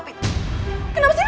permasalahannya kamu nya yang stupid